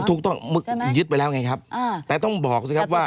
ถูกต้องยึดไปแล้วไงครับแต่ต้องบอกสิครับว่า